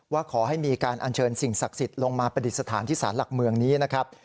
ว่าขอให้มีการอัญเชิญสิ่งศักดิ์สิทธิ์ลงมาปฏิสถานที่ศาลหลักเมืองนี้นะครับ